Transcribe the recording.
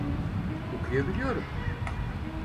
Okuyabiliyorum.